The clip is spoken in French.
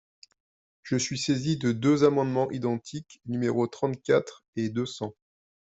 Je suis saisie de deux amendements identiques, numéros trente-quatre et deux cents.